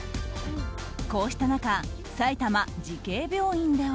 こうした中埼玉慈恵病院では。